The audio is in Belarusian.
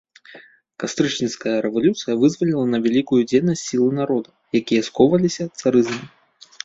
Кастрычніцкая рэвалюцыя вызваліла на вялікую дзейнасць сілы народа, якія скоўваліся царызмам.